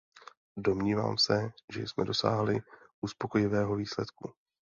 Domnívám se, že jsme dosáhli uspokojivého výsledku.